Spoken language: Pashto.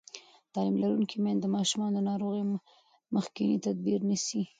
تعلیم لرونکې میندې د ماشومانو د ناروغۍ مخکینی تدبیر نیسي.